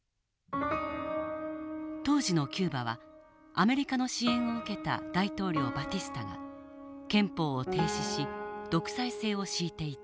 当時のキューバはアメリカの支援を受けた大統領バティスタが憲法を停止し独裁制を敷いていた。